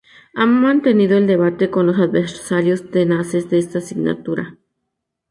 Ha mantenido el debate con los adversarios tenaces de esta asignatura.